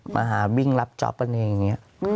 มาหาวิ่งรับจ๊อปกันเองอย่างนี้